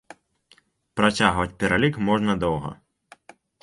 Працягваць пералік можна доўга.